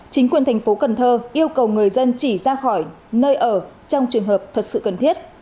chính quyền thành phố cần thơ yêu cầu người dân chỉ ra khỏi nơi ở trong trường hợp thật sự cần thiết